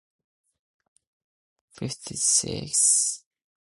The following year, LeBrock filed for divorce citing "irreconcilable differences".